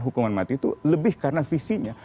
hukuman mati itu lebih karena visinya